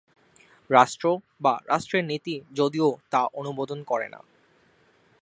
রাষ্ট্র বা রাষ্ট্রের নীতি যদিও তা অনুমোদন করেনা।